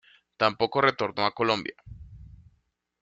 Tampoco retornó a Colombia.